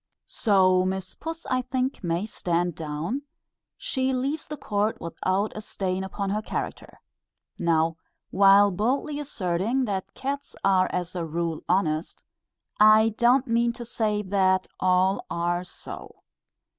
So Miss Puss I think may stand down: she leaves the court without a stain upon her character. Now, while boldly asserting that cats are as a rule honest, I do not mean to say that all are so.